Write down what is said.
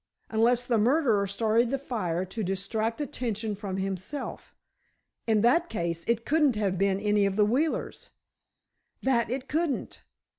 Unless the murderer started the fire to distract attention from himself. In that case, it couldn't have been any of the Wheelers." "That it couldn't.